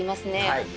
はい。